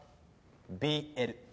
ＢＬ。